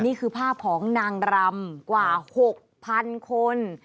นี่คือภาพของนางรำกว่า๖๐๐๐คน